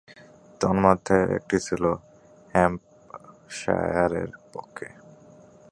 তন্মধ্যে, একটি ছিল হ্যাম্পশায়ারের পক্ষে।